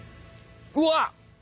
うわっ！